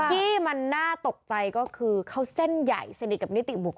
ที่มันน่าตกใจก็คือเขาเส้นใหญ่สนิทกับนิติบุคค